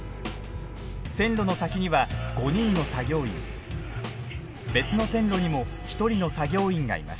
線路の先には５人の作業員別の線路にも１人の作業員がいます。